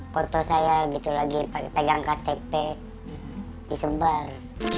foto saya gitu lagi pegang ktp disebar